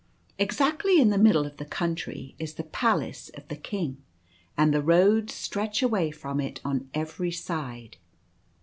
Exactly in the middle of the Country is the palace of the King, and the roads stretch away from it on every side.